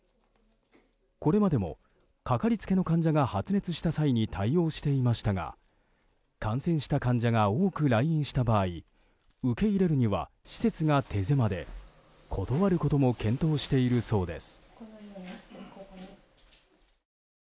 これまでもかかりつけの患者が発熱した際に対応していましたが感染した患者が多く来院した場合受け入れるには施設が手狭で断ることも検討しているそうです。